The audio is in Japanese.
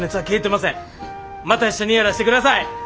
また一緒にやらしてください。